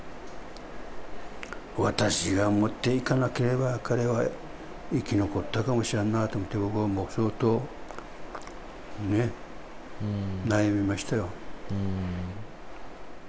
私が持っていかなければ、彼は生き残ったかもしらんなと思って、僕はもう、相当悩みましたよ。